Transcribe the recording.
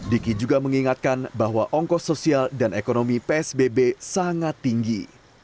diki juga mengingatkan bahwa ongkos sosial dan ekonomi psbb sangat tinggi